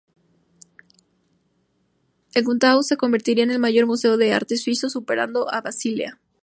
El Kunsthaus se convertirá en el mayor museo de arte suizo, superando a Basilea.